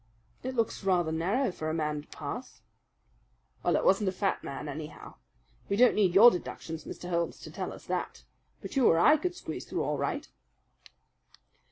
"It looks rather narrow for a man to pass." "Well, it wasn't a fat man, anyhow. We don't need your deductions, Mr. Holmes, to tell us that. But you or I could squeeze through all right."